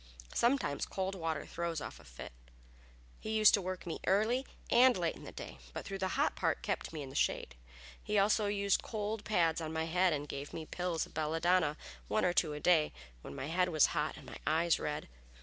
Sometimes cold water throws off a fit. He used to work me early and late in the day, but through the hot part kept me in the shade. He also used cold pads on my head and gave me pills of belladonna, one or two a day, when my head was hot and my eyes red.